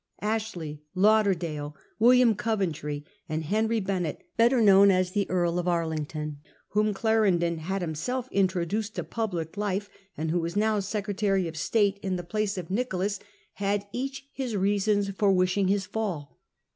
Ashley, Lauderdale, William Coventry, and Henry Bennet, better known as the Earl of Arlington, whom Clarendon had himself introduced to public life, and who was now Secretary of State in the place of Nicholas, had each his reasons for wishing his fall.